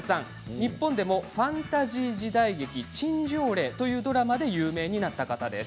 日本でもファンタジー時代劇「陳情令」で有名になった方です。